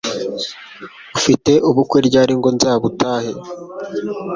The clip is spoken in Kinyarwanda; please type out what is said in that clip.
Ufite ubukwe ryari ngo nzabutahe